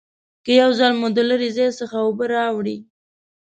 که یو ځل مو د لرې ځای څخه اوبه راوړي